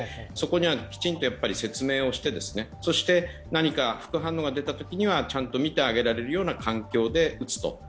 そこにはきちんと説明をして、何か副反応が出たときにはちゃんと診てあげられるような環境で打つと。